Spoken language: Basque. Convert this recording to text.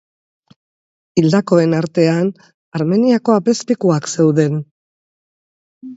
Hildakoen artean Armeniako apezpikuak zeuden.